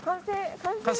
完成！